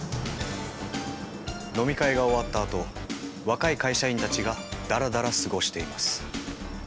飲み会が終わったあと若い会社員たちがだらだら過ごしています。